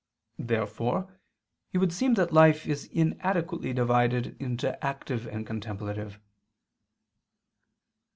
Therefore it would seem that life is inadequately divided into active and contemplative.